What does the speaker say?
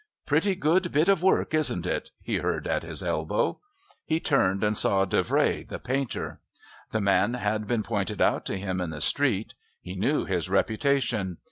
"Pretty good bit of work, isn't it?" he heard at his elbow. He turned and saw Davray, the painter. The man had been pointed out to him in the street; he knew his reputation.